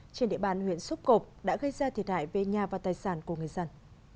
trên địa bàn huyện xúc cộp đã gây ra thiệt hại về nhà và tài sản của người dân